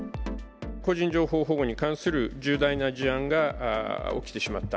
個人情報保護に関する重大な事案が起きてしまった。